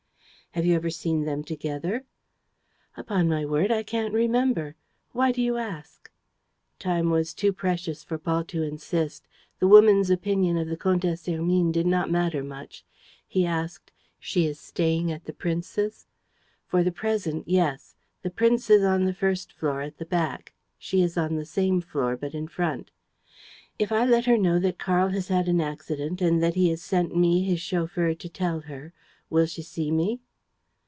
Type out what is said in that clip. "Have you ever seen them together?" "Upon my word, I can't remember. Why do you ask?" Time was too precious for Paul to insist. The woman's opinion of the Comtesse Hermine did not matter much. He asked: "She is staying at the prince's?" "For the present, yes. The prince is on the first floor, at the back; she is on the same floor, but in front." "If I let her know that Karl has had an accident and that he has sent me, his chauffeur, to tell her, will she see me?"